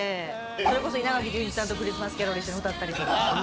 それこそ稲垣潤一さんと『クリスマスキャロル』一緒に歌ったりとか。